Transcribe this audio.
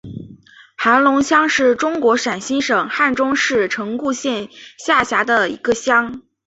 盘龙乡是中国陕西省汉中市城固县下辖的一个乡。